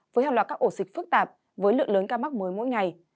với hàng loạt các ổ dịch phức tạp với lượng lớn ca mắc mới mỗi ngày